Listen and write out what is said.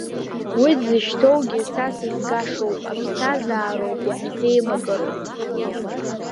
Уи дзышьҭоугьы са сызгашоуп, аԥсҭазаароуп иаҳзеимакыроу!